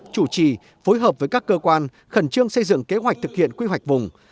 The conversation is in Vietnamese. chủ trì phối hợp với các cơ quan khẩn trương xây dựng kế hoạch thực hiện quy hoạch vùng